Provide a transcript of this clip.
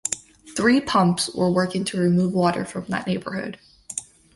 Three pumps were working to remove water from that neighborhood.